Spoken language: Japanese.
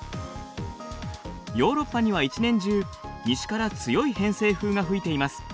ヨーロッパには一年中西から強い偏西風が吹いています。